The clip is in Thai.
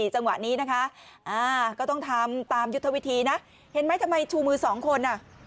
จังหวะนี้นะคะก็ต้องทำตามยุทธวิธีนะเห็นไหมทำไมชูมือสองคนอ่ะ